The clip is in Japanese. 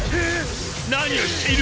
何をしている！？